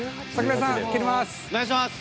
お願いします！